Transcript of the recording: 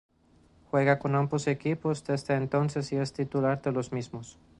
Juega con ambos equipos desde entonces y es titular de los mismos.